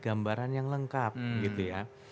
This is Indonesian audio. gambaran yang lengkap gitu ya